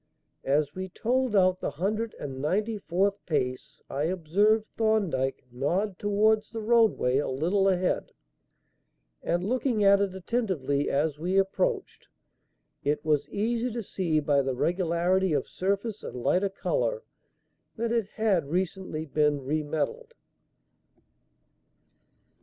As we told out the hundred and ninety fourth pace I observed Thorndyke nod towards the roadway a little ahead, and, looking at it attentively as we approached, it was easy to see by the regularity of surface and lighter colour, that it had recently been re metalled.